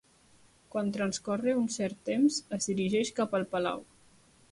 Quan transcorre un cert temps, es dirigeix cap al palau.